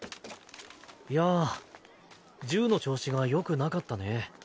いや銃の調子がよくなかったね。